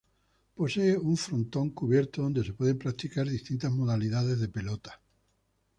Posee un frontón cubierto, donde se pueden practicar distintas modalidades de pelota.